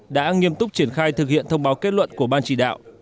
đã nghiêm túc triển khai thực hiện thông báo kết luận của ban chỉ đạo